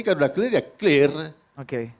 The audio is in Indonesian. kalau sudah clear ya clear oke